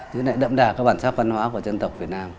thế lại đậm đà các bản sắc văn hóa của dân tộc việt nam